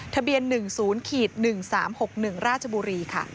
ทะเบียน๑๐๑๓๖๑ราชบุรีค่ะ